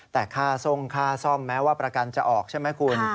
แต่ค่าทรงค่าซ่อมแม้ว่าประกันจะออกใช่ไหมคุณ